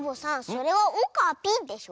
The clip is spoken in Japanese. それは「オカピ」でしょ。